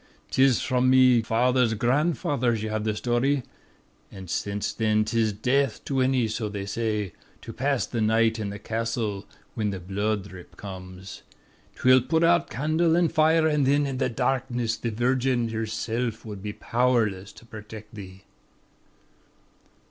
'Tis from me father's grandfather ye have the sthory. An' sence thin 'tis death to any, so they say, to pass the night in the castle whin the bhlood dhrip comes. 'Twill put out candle an' fire, an' thin in the darkness the Virgin Herself would be powerless to protect ye.'